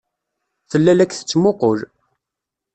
Tella la k-tettmuqqul.